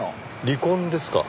離婚ですか。